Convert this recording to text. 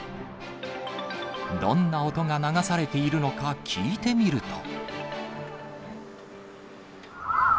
どんな音が流されているのか、聞いてみると。